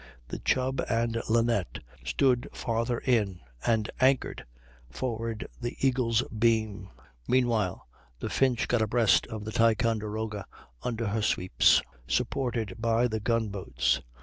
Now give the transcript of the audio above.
The Chubb and Linnet stood farther in, and anchored forward the Eagle's beam. Meanwhile the Finch got abreast of the Ticonderoga, under her sweeps, supported by the gun boats.